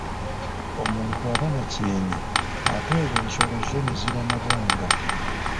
Omuntu aba na kyenyi ate olwo ensolo zo ne ziba na bwanga.